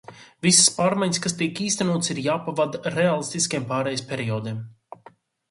Visas pārmaiņas, kas tiek īstenotas, ir jāpavada reālistiskiem pārejas periodiem.